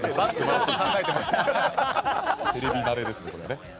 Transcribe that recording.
テレビ慣れですかね。